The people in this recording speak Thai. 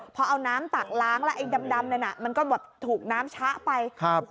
เพราะเอาน้ำตักล้างแล้วไอ้ดำนี่นะมันก็ถูกน้ำชะไป